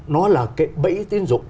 nó là cái bẫy tiến dụng